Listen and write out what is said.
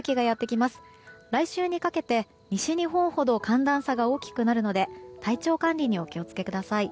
来週にかけて、西日本ほど寒暖差が大きくなるので体調管理にお気を付けください。